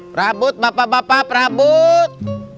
prabut bapak bapak prabut